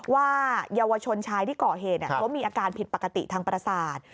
ว่าเยาวชนชายที่เกาะเหมีอาการผิดปกติทางปรศาสตร์